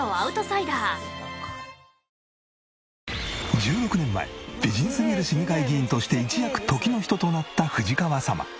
１６年前美人すぎる市議会議員として一躍時の人となった藤川様。